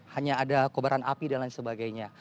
hanya ada kobaran api dan lain sebagainya